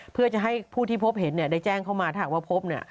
เพื่อจะให้ผู้ที่พบเห็นได้แจ้งเข้ามาถ้าหากว่าพบ